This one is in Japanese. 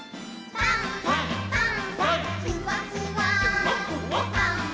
パン！